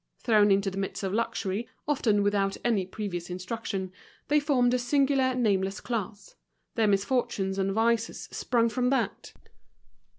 Thrown into the midst of luxury, often without any previous instruction, they formed a singular, nameless class. Their misfortunes and vices sprung from that.